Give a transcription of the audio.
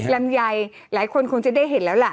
ลำไยหลายคนคงจะได้เห็นแล้วล่ะ